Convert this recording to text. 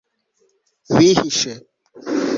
bihishe